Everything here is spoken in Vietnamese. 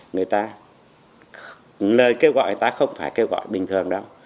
người ta lời kêu gọi người ta không phải kêu gọi bình thường đâu